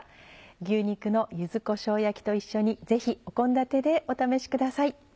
牛肉の柚子こしょう焼きと一緒にぜひ献立でお試しください。